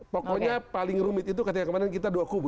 pokoknya paling rumit itu ketika kemarin kita dua kubu